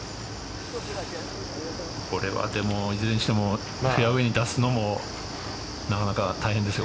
これはいずれにしてもフェアウェイに出すのもなかなか大変ですよ。